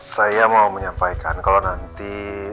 saya mau menyampaikan kalau nanti